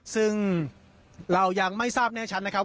ซึ่งเรายังไม่ทราบแน่ชัดนะครับ